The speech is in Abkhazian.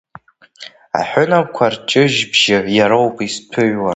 Аҳәынаԥқәа рҷыжьбжьы иароуп изҭыҩуа.